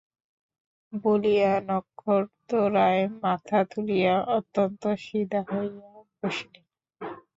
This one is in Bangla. বলিয়া নক্ষত্ররায় মাথা তুলিয়া অত্যন্ত সিধা হইয়া বসিলেন।